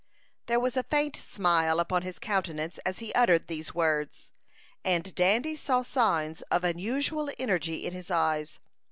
There was a faint smile upon his countenance as he uttered these words, and Dandy saw signs of unusual energy in his eyes.